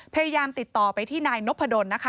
พยายามติดต่อไปที่นายนพดลนะคะ